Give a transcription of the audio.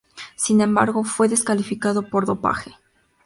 Sin embargo, fue descalificado por dopaje.